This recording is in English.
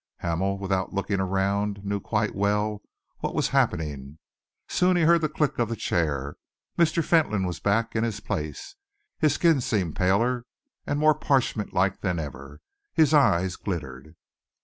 Hamel, without looking around, knew quite well what was happening. Soon he heard the click of the chair. Mr. Fentolin was back in his place. His skin seemed paler and more parchment like than ever. His eyes glittered.